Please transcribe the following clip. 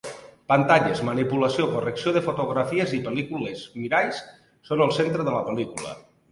Pantalles, manipulació, correcció de fotografies i pel·lícules, miralls, són en el centre de la pel·lícula.